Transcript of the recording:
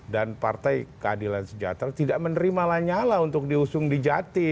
dan partai keadilan sejahtera tidak menerima lanyala untuk diusung di jatim